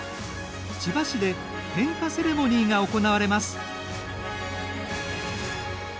千葉市で点火セレモニーが行われます。